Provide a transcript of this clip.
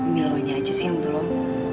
milonya aja sih yang belum